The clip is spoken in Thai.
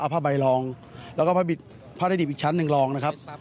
ผ้าใบรองแล้วก็ผ้าได้ดิบอีกชั้นหนึ่งรองนะครับ